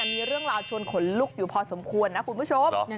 มีเรื่องราวชวนขนลุกอยู่พอสมควรนะคุณผู้ชม